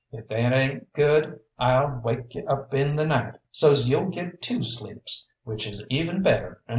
If that ain't good I'll wake you up in the night, so's you'll get two sleeps, which is even better'n one."